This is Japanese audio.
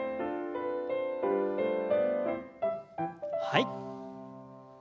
はい。